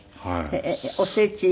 おせち。